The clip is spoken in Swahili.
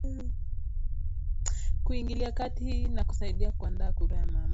kuingilia kati na kusaidia kuandaa kura ya maamuzi